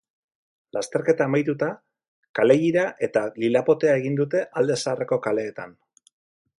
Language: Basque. Lasterketa amaituta, kalejira eta lilapotea egin dute alde zaharreko kaleetan.